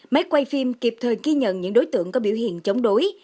máy quay phim kịp thời ghi nhận những đối tượng có biểu hiện chống đối